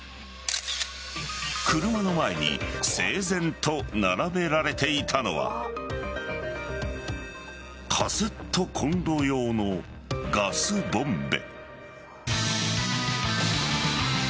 車の前に整然と並べられていたのはカセットコンロ用のガスボンベ。